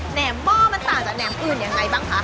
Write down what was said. แหมหม้อมันต่างจากแหมอื่นยังไงบ้างคะ